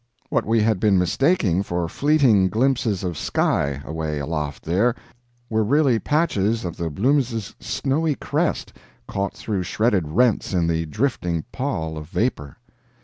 What we had been mistaking for fleeting glimpses of sky away aloft there, were really patches of the Blumis's snowy crest caught through shredded rents in the drifting pall of vapor.